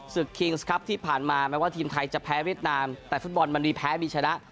คิงส์ครับที่ผ่านมาแม้ว่าทีมไทยจะแพ้เวียดนามแต่ฟุตบอลมันมีแพ้มีชนะ